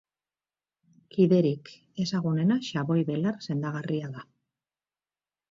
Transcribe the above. Kiderik ezagunena xaboi-belar sendagarria da.